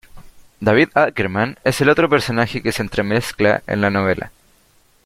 David Ackerman, es el otro personaje que se entremezcla en la novela.